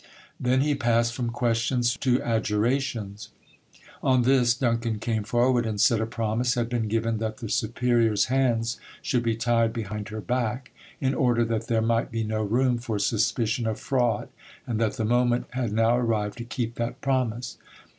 Then he passed from questions to adjurations: on this, Duncan came forward, and said a promise had been given that the superior's hands should be tied behind her back, in order that there might be no room for suspicion of fraud, and that the moment had now arrived to keep that promise.